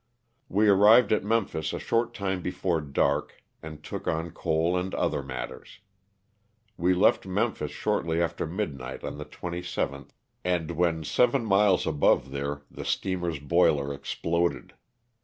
We arrived at Mempliis a short time before dark and took on coal and other matters. We left Memphis shortly after midnight on the 27th and when seven miles above there the steamer's boiler exploded.